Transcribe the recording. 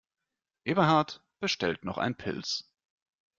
Eberhard bestellt noch ein Pils.